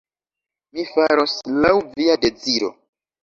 Mi faros laŭ via deziro.